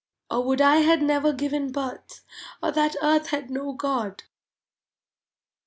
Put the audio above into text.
O would I had never given birth, Or that earth had no God!